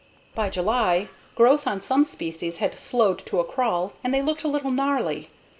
By July, growth on some species had slowed to a crawl and they looked a little gnarly.